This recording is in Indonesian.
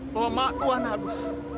bahwa mak tua nabus